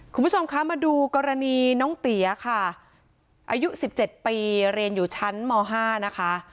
คุณผู้ชมคะมาดูกรณีน้องเตี๋ยค่ะอายุ๑๗ปีเรียนอยู่ชั้นม๕นะคะ